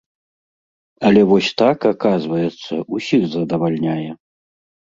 Але вось так, аказваецца, усіх задавальняе.